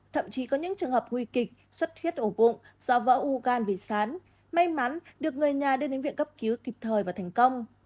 thậm chí có những trường hợp nguy kịch xuất huyết ổ bụng do vỡ u gan bị sán may mắn được người nhà đưa đến viện cấp cứu kịp thời và thành công